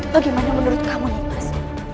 bagaimana menurut kamu nipas